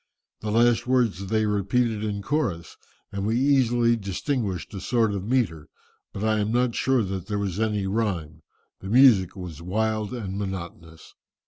The last words they repeated in chorus, and we easily distinguished a sort of metre, but I am not sure that there was any rhyme; the music was wild and monotonous."